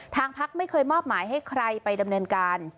ทางพักไม่เคยมอบหมายให้ใครไปดำเนินการ